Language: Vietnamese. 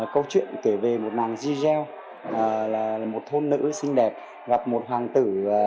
câu chuyện kể về một nàng jean gell là một thôn nữ xinh đẹp gặp một hoàng tử